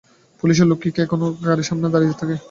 পুলিশের লোক কি এখনো আপনার বাড়ির সামনে দাঁড়িয়ে থাকে?